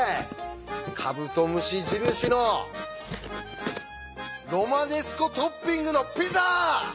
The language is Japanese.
カブトムシ印のロマネスコトッピングのピザ！